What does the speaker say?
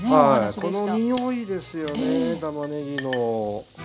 この匂いですよねたまねぎの。